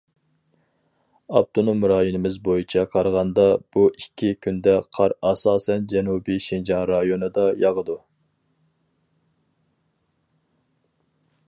ئاپتونوم رايونىمىز بويىچە قارىغاندا، بۇ ئىككى كۈندە قار ئاساسەن جەنۇبىي شىنجاڭ رايونىدا ياغىدۇ.